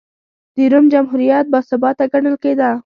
د روم جمهوریت باثباته ګڼل کېده.